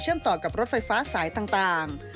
เชื่อมต่อกับรถไฟฟ้าสายต่าง